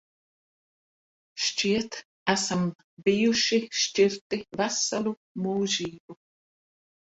Šķiet, esam bijuši šķirti veselu mūžību.